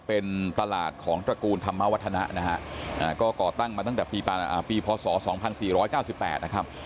เป็นตลาดของตระกูลธรรมวัฒนะนะฮะก็ก่อตั้งมาตั้งแต่ปีพศ๒๔๙๘นะครับ